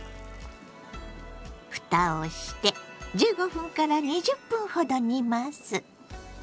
ふたをして１５分から２０分ほど煮ます。